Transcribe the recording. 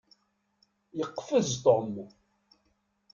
Yeqfez Tom.